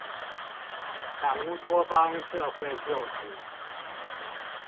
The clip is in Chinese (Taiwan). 反烏托邦社會作品